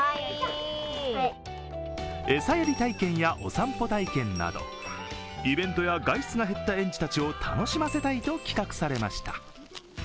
餌やり体験やお散歩体験などイベントや外出が減った園児たちを楽しませたいと企画されました。